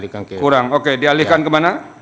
kurang oke dialihkan kemana